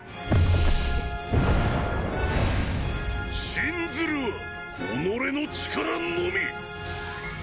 信ずるは己の力のみ！！